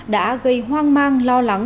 đã gây hoang mang lo lắng